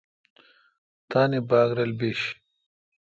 تان باگ رل بیش۔